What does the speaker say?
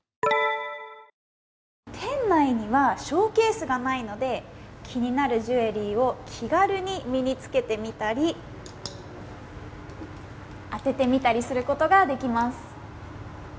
店内にはショーケースがないので気になるジュエリーを気軽に身に着けてみたり当ててみたりすることができます。